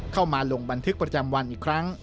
ลงบันทึกประจำวันอีกครั้ง